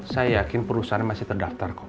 saya yakin perusahaan masih terdaftar kok